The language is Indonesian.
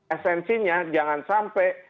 esensinya jangan sampai